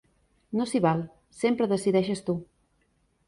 No s'hi val, sempre decideixes tu!